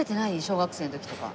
小学生の時とか。